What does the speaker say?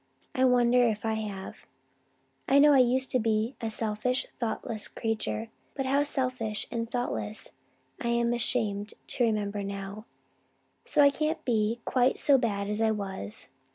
I wonder if I have. I know I used to be a selfish, thoughtless creature how selfish and thoughtless I am ashamed to remember now, so I can't be quite so bad as I was.